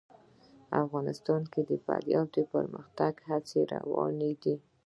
افغانستان کې د فاریاب د پرمختګ هڅې روانې دي.